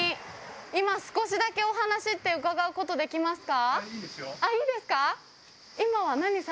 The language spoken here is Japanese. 今、少しだけお話って伺うことできますか？